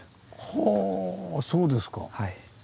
はあそうですか。